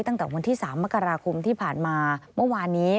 ตั้งแต่วันที่๓มกราคมที่ผ่านมาเมื่อวานนี้